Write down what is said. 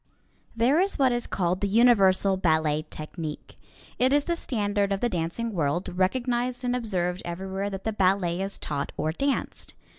There is what is called the Universal Ballet Technique. It is the standard of the dancing world, recognized and observed everywhere that the ballet is taught or danced.